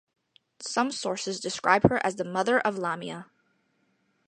Some sources describe her as the mother of Lamia.